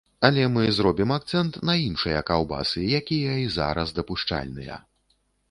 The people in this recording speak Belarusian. Але мы зробім акцэнт на іншыя каўбасы, якія і зараз дапушчальныя.